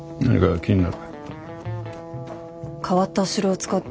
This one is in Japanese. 気になる？